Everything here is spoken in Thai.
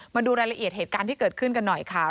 มาดูรายละเอียดเหตุการณ์ที่เกิดขึ้นกันหน่อยค่ะ